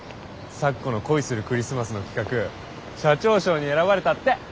咲子の「恋するクリスマス」の企画社長賞に選ばれたって。